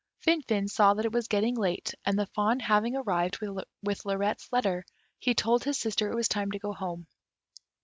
Finfin saw that it was getting late, and the fawn having arrived with Lirette's letter, he told his sister it was time to go home.